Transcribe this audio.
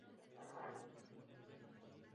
Colón y la Av.